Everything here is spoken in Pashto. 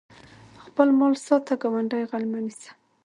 خپل مال ساته ګاونډي غل مه نیسه